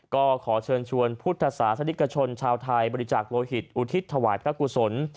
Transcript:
ก็ขอเชิญชวนพุทธศาสนิกชนชาวไทยบริจาคโลหิตอุทิศถวายพระกุศล